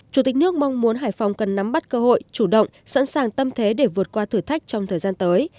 chủ tịch nước mong muốn hải phòng cần nắm bắt cơ hội chủ động sẵn sàng tâm thế để vượt qua thử thách trong thời gian tới